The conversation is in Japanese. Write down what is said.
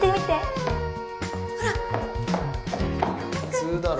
普通だろ。